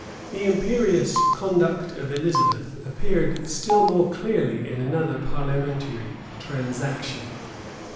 The imperious conduct of Elizabeth appeared still more clearly in another parliamentary transaction.